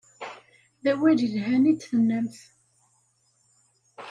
D awal i yelhan i d-tennamt.